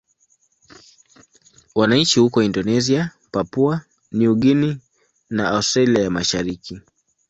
Wanaishi huko Indonesia, Papua New Guinea na Australia ya Mashariki.